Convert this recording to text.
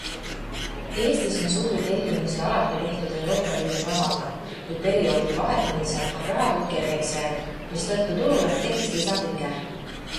Eestis on suuri tellimusi alati tehtud Euroopa Liidu rahaga, kuid perioodi vahetumisel on rahakott kergeks jäänud, mistõttu turule tekkis lisapinge.